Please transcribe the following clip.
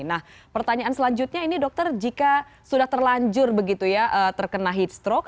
nah pertanyaan selanjutnya ini dokter jika sudah terlanjur begitu ya terkena heat stroke